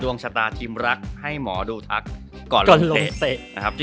ดวงชะตาทิมรักให้หมอดูทักก่อนลงเท